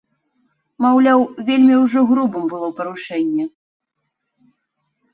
Маўляў, вельмі ўжо грубым было парушэнне.